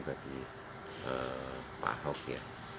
bagi pak ahok ya